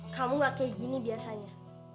kamu gak kayak gini biasanya